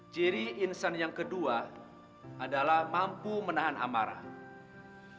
ciri insan yang kedua adalah mampu menahan amarah